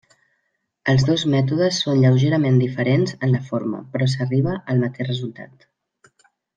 Els dos mètodes són lleugerament diferents en la forma però s'arriba al mateix resultat.